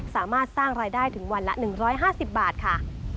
สามารถสร้างรายได้ถึงวันละ๑๕๐บาทค่ะ